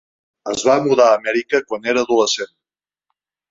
Es va mudar a Amèrica quan era adolescent.